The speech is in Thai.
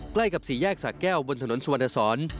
ใกล้กับสี่แยกสะแก้วบนถนนสุวรรณสอน